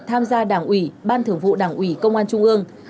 tham gia đảng ủy ban thưởng vụ đảng ủy công an trung ương